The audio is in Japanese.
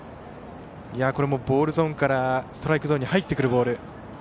ボールゾーンからストライクゾーンに入ってくるボール。